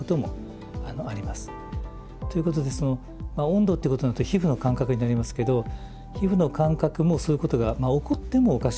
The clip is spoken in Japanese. ということで温度ってことになると皮膚の感覚になりますけど皮膚の感覚もそういうことが起こってもおかしくはない。